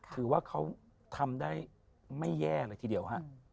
ถือว่าเขาทำได้ไม่แย่เลยทีเดียวฮะ